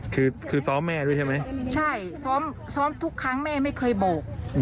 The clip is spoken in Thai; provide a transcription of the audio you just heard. คือคือซ้อมแม่ด้วยใช่ไหมใช่ซ้อมซ้อมทุกครั้งแม่ไม่เคยบอก